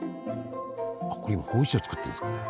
あっこれ今ほうじ茶作ってるんですかね？